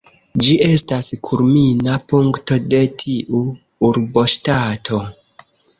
Ĝi estas kulmina punkto de tiu urboŝtato.